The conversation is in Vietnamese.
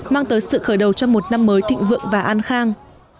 mang tới sự khởi đầu cho một năm mới thịnh vượng và an khang